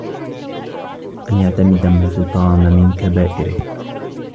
أَنْ يَعْتَمِدَ مَا اجْتَرَمَ مِنْ كَبَائِرِهِ